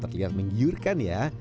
terlihat menggiurkan ya